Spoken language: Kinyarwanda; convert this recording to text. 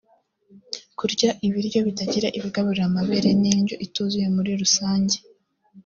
kurya ibiryo bitagira ibigaburira amabere n’indyo ituzuye muri rusange